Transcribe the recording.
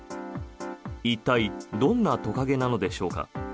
一体どんなトカゲなのでしょうか。